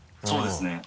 そうですね